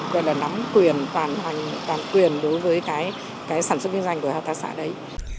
hoặc là nắm quyền đối với sản xuất kinh doanh của hợp tác xã đấy